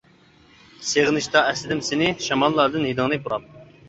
سېغىنىشتا ئەسلىدىم سىنى، شاماللاردىن ھىدىڭنى پۇراپ.